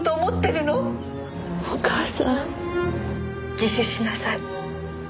自首しなさい。